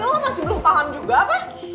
lo masih belum paham juga apa